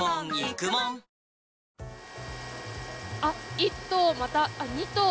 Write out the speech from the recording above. １頭、また２頭。